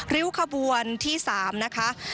ริ้วขบวนที่๓นะคะ